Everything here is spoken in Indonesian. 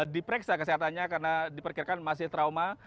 diperiksa kesehatannya karena diperkirakan masih trauma